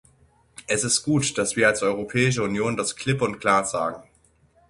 Es ist gut, dass wir als Europäische Union das klipp und klar sagen.